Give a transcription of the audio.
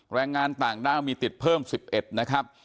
แรงงานต่างด้าวมีติดเพิ่ม๑๑นะครับ